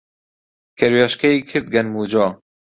کەروێشکەی کرد گەنم و جۆ